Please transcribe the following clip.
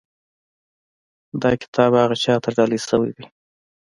دا کتاب هغه چا ته ډالۍ شوی دی.